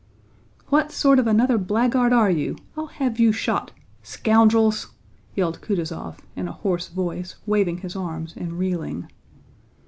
"What sort of another blackguard are you? I'll have you shot! Scoundrels!" yelled Kutúzov in a hoarse voice, waving his arms and reeling.